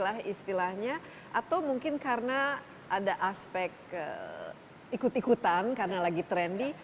atau mungkin karena ada aspek ikut ikutan karena lagi trendy